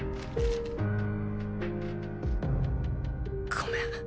ごめん